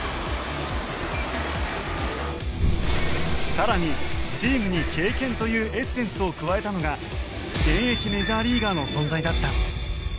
更にチームに経験というエッセンスを加えたのが現役メジャーリーガーの存在だった。